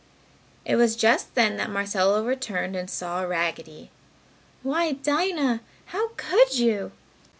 It was just then, that Marcella returned and saw Raggedy. "Why, Dinah! How could you!"